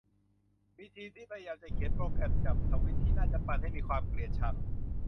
มีทีมที่พยายามจะเขียนโปรแกรมจับทวีตที่น่าจะปั่นให้มีความเกลียดชัง